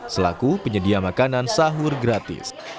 selaku penyedia makanan sahur gratis